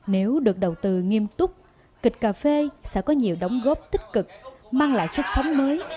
nếu được đầu tư nghiêm túc kịch cà phê sẽ có nhiều đóng góp tích cực mang lại sức sống mới